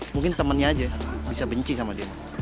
mungkin temannya aja bisa benci sama dia